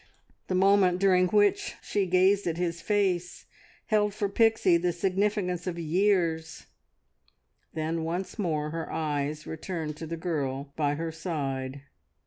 The moment during which she gazed at his face held for Pixie the significance of years; then once more her eyes returned to the girl by her side...